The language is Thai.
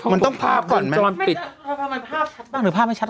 มันต้องภาพก่อนมั้ย